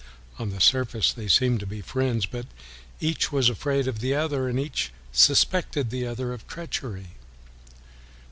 On the surface they seemed to be friends, but each was afraid of the other and each suspected the other of treachery.